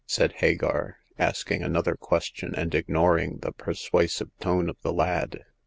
" said Hagar, asking another question, and ignoring the persuasive tone of the lad.